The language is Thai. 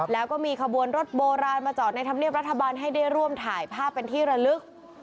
แล้วก็มีขบวนรถโบราณมาจอดในธรรมเนียบรัฐบาลให้ได้ร่วมถ่ายภาพเป็นที่ระลึก